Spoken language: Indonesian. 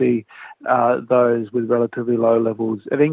yang dengan pendapatan yang sedikit